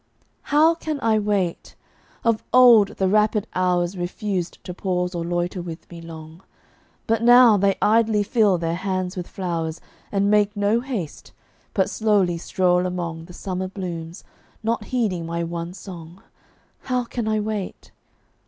How can I wait? Of old, the rapid hours Refused to pause or loiter with me long; But now they idly fill their hands with flowers, And make no haste, but slowly stroll among The summer blooms, not heeding my one song, How can I wait?